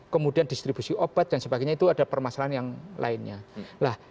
kemudian distribusi obat dan sebagainya itu ada permasalahan yang lainnya